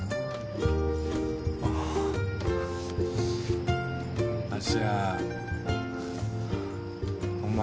あっ芦屋お前。